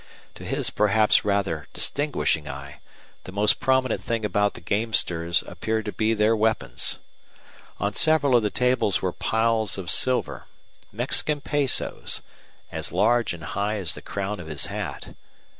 To his perhaps rather distinguishing eye the most prominent thing about the gamesters appeared to be their weapons. On several of the tables were piles of silver Mexican pesos as large and high as the crown of his hat.